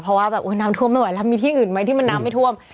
เพราะว่าแบบน้ำท่วมไม่ไหวแล้วมีที่อื่นไหมที่มันน้ำไม่ท่วม